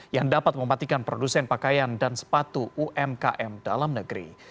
yang dapat mematikan produsen pakaian dan sepatu umkm dalam negeri